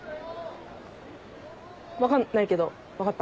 分かんないけど分かった。